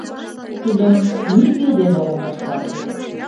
Тудым нигӧ дене ом вашталте.